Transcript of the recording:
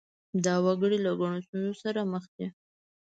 دا وګړي له ګڼو ستونزو سره مخ دي.